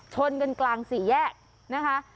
ชนกันกลางสี่แยกนะคะ